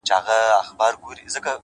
نظم د لویو ارمانونو ساتونکی دی’